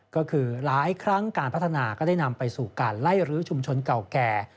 ก็คือหลายครั้งการพัฒนาก็ได้นำไปสู่การไล่รื้อชุมชนเก่าแก่